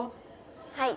はい。